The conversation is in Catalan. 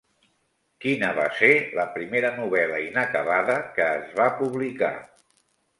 Quina va ser la primera novel·la inacabada que es va publicar?